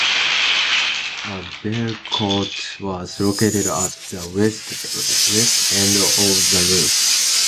A bellcote was located at the west end of the roof.